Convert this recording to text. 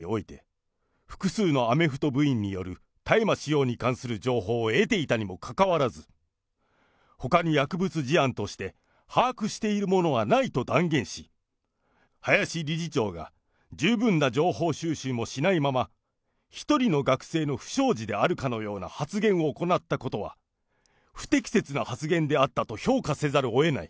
澤田副学長が記者会見の時点において、複数のアメフト部員による大麻使用に関する情報を得ていたにもかかわらず、ほかに薬物事案として把握しているものはないと断言し、林理事長が十分な情報収集もしないまま、１人の学生の不祥事であるかのような発言を行ったことは不適切な発言であったと評価せざるをえない。